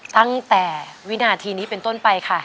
ตั้งแต่วินาทีนี้เป็นต้นไปค่ะ